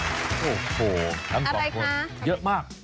โอ้โหทั้งสองคนเยอะมาก